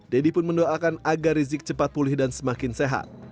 deddy pun mendoakan agar rizik cepat pulih dan semakin sehat